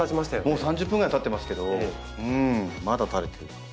もう３０分ぐらいたってますけどまだたれてる。